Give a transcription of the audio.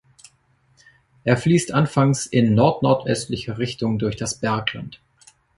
Er fließt anfangs in nordnordöstlicher Richtung durch das Bergland.